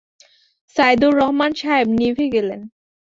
সাইদুর রহমান সাহেব নিভে গেলেন।